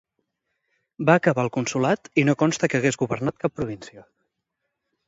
Va acabar el consolat i no consta que hagués governat cap província.